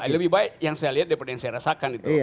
lebih baik yang saya lihat daripada yang saya rasakan itu